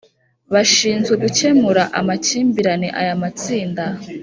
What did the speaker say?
bashinzwe gukemura amakimbirane Aya matsinda